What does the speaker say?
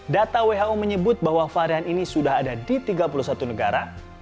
data who menyebut bahwa varian ini sudah ada di tiga puluh satu negara